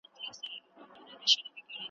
هر شته من او هر ځواکمن ته لاس پر نام وي `